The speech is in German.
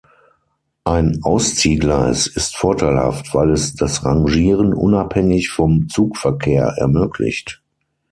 Ein Ausziehgleis ist vorteilhaft, weil es das Rangieren unabhängig vom Zugverkehr ermöglicht.